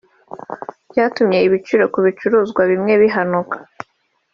Byatumye ibiciro ku bicuruzwa bimwe bihanuka